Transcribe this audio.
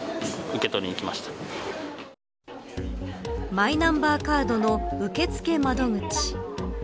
マイナンバーカードの受付窓口。